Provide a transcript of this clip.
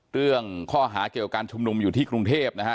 เรื่องข้อหาเกี่ยวการชุมนุมอยู่ที่กรุงเทพนะฮะ